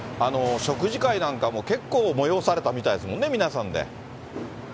食事会なんかも、結構催されたみたいですもんね、皆さんで。